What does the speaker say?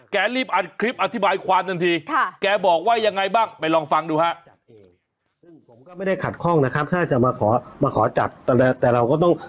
แกรีบอัดคลิปอธิบายความทันทีแกบอกว่ายังไงบ้างไปลองฟังดูฮะ